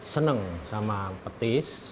seneng sama petis